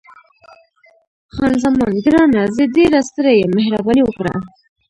خان زمان: ګرانه، زه ډېره ستړې یم، مهرباني وکړه.